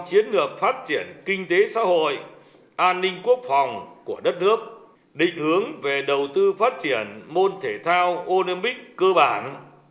chiến lược phát triển kinh tế xã hội an ninh quốc phòng của đất nước định hướng về đầu tư phát triển môn thể thao olympic cơ bản